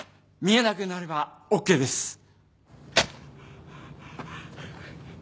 見えなくなればＯＫです。